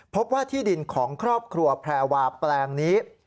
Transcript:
พบว่าที่ดินของครอบครัวแพรวาแปลงนี้